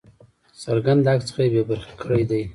څرګند حق څخه بې برخي کړی دی.